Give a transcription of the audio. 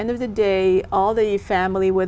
những gì là sự khác biệt nhất